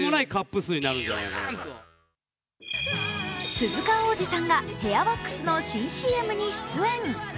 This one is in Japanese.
鈴鹿央士さんがヘアワックスの新ＣＭに出演。